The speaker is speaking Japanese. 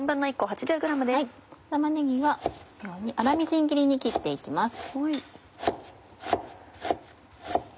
玉ねぎはこのように粗みじん切りに切って行きます。